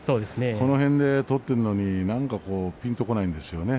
この辺で取っているのになんかピンとこないんですよね。